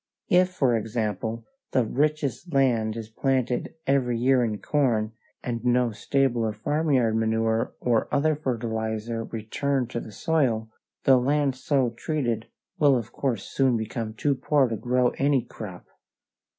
If, for example, the richest land is planted every year in corn, and no stable or farmyard manure or other fertilizer returned to the soil, the land so treated will of course soon become too poor to grow any crop.